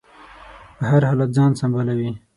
په هر حالت ځان سنبالوي.